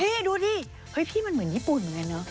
นี่ดูดิเฮ้ยพี่มันเหมือนญี่ปุ่นเหมือนกันเนอะ